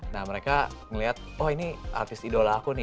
nah mereka ngelihat oh ini artis idola aku nih